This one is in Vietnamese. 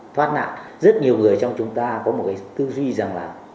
thoát nạn rất nhiều người trong chúng ta có một cái tư duy rằng là